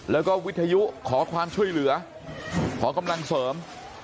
แล้วก็วิทยุขอความช่วยเหลือขอกำลังเสริม